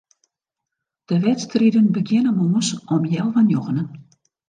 De wedstriden begjinne moarns om healwei njoggenen.